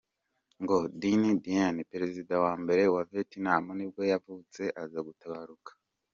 Ngo Dinh Diem, perezida wa mbere wa Vietnam nibwo yavutse, aza gutabaruka mu .